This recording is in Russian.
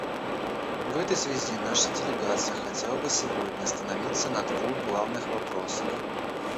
В этой связи наша делегация хотела бы сегодня остановиться на двух главных вопросах.